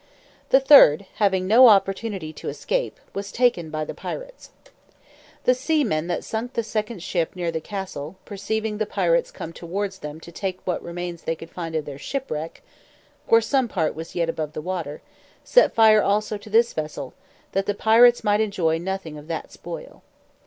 The third, having no opportunity to escape, was taken by the pirates. The seamen that sunk the second ship near the castle, perceiving the pirates come towards them to take what remains they could find of their shipwreck (for some part was yet above water), set fire also to this vessel, that the pirates might enjoy nothing of that spoil.